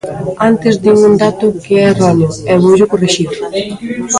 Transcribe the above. Antes din un dato que é erróneo e voullo corrixir.